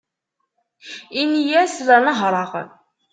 Ini-as la nehhṛeɣ.